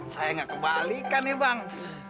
saya gak kebalikan ya bang